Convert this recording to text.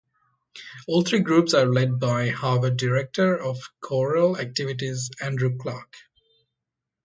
All three groups are led by Harvard Director of Choral Activities Andrew Clark.